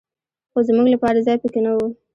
خو زمونږ لپاره ځای په کې نه و.